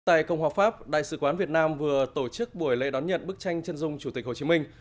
tại cộng hòa pháp đại sứ quán việt nam vừa tổ chức buổi lễ đón nhận bức tranh chân dung chủ tịch hồ chí minh